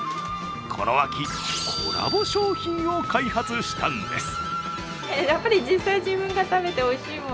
この秋、コラボ商品を開発したんです。